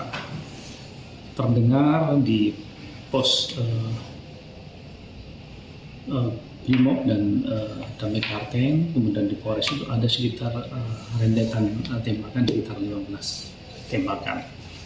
pesawat terdengar di pos pimok dan tamekarteng kemudian di koreks itu ada sekitar rendetan tembakan sekitar lima belas tembakan